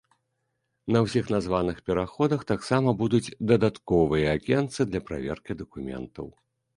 На ўсіх названых пераходах таксама будуць дадатковыя акенцы для праверкі дакументаў.